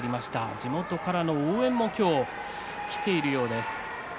地元からの応援も今日も来ているようです。